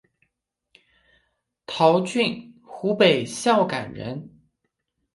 陶峻湖北孝感人。